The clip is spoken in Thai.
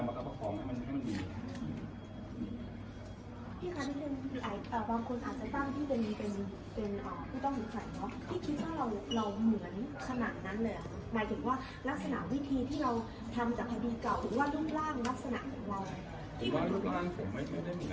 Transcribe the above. หรือว่ารุ่นร่างผมไม่ได้มีแหล่งกัน